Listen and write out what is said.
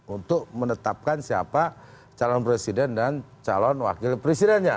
untuk menetapkan siapa calon presiden dan calon wakil presidennya